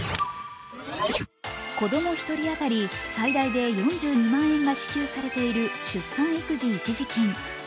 子供１人当たり、最大で４２万円が支給されている出産育児一時金。